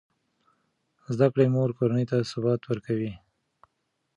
د زده کړې مور کورنۍ ته ثبات ورکوي.